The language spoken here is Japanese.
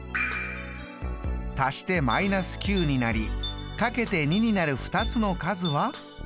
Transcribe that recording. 足して−９になり掛けて２になる２つの数は？